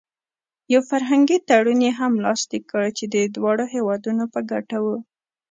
یو فرهنګي تړون یې هم لاسلیک کړ چې د دواړو هېوادونو په ګټه و.